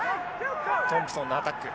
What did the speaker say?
トンプソンのアタック。